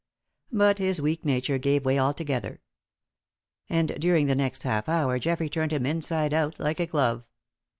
But his weak nature gave way altogether. And during the next half hour Geoffrey turned him inside out like a glove.